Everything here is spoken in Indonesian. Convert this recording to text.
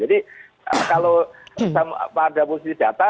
jadi maksudnya jadi kalau pada posisi data